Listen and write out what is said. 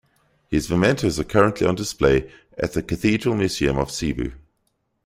His mementos are currently on display at the Cathedral Museum of Cebu.